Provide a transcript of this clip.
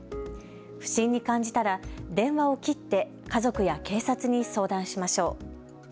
不審に感じたら電話を切って家族や警察に相談しましょう。